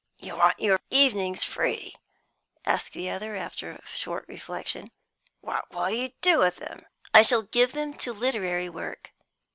"You want your evenings free?" asked the other, after a short reflection. "What will you do with them?" "I shall give them to literary work."